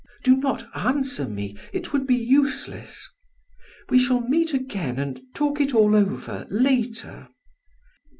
Do not answer me, it would be useless. We shall meet again and talk it all over later.